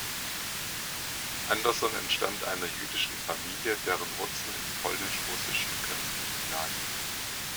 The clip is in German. Anderson entstammt einer jüdischen Familie, deren Wurzeln im polnisch-russischen Grenzgebiet lagen.